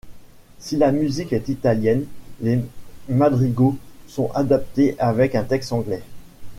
Si la musique est italienne, les madrigaux sont adaptés avec un texte anglais.